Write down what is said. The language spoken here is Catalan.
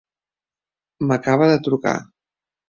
M'acaba de trucar.